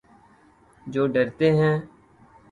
جو ڈرتے ہیں